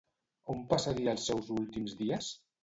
On passaria els seus últims dies?